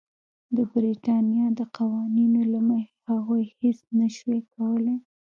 د برېټانیا د قوانینو له مخې هغوی هېڅ نه شوای کولای.